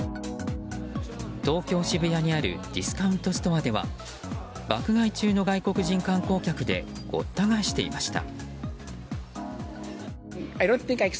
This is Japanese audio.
東京・渋谷にあるディスカウントストアでは爆買い中の外国人観光客でごった返していました。